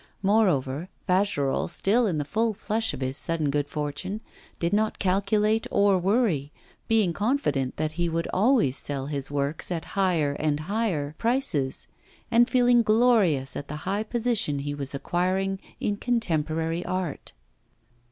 Moreover, Fagerolles, still in the full flush of his sudden good fortune, did not calculate or worry, being confident that he would always sell his works at higher and higher prices, and feeling glorious at the high position he was acquiring in contemporary art.